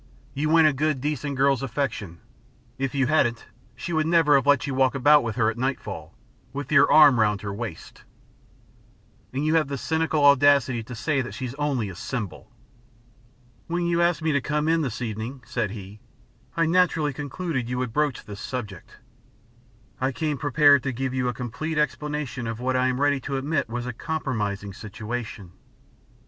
You win a good decent girl's affection, if you hadn't, she would never have let you walk about with her at nightfall, with your arm round her waist, and you have the cynical audacity to say that she's only a symbol." "When you asked me to come in this evening," said he, "I naturally concluded you would broach this subject. I came prepared to give you a complete explanation of what I am ready to admit was a compromising situation."